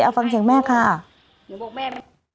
เอาฟังเสียงแม่ค่ะเดี๋ยวบอกแม่